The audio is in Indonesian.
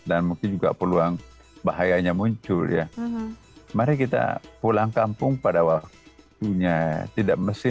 dan mungkin juga peluang bahayanya muncul ya mari kita pulang kampung pada waktunya tidak mesti